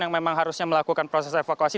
yang memang harusnya melakukan proses evakuasi